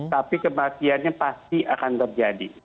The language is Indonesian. tapi kematiannya pasti akan terjadi